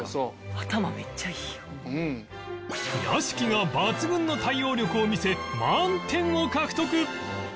屋敷が抜群の対応力を見せ満点を獲得